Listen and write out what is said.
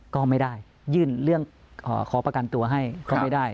ก็ไม่ได้ยื่นเรื่องขอประกันตัวให้ก็ไม่ได้